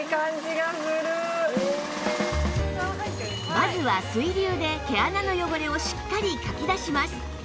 まずは水流で毛穴の汚れをしっかりかき出します